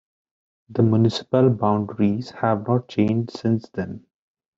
The municipal boundaries have not changed since then.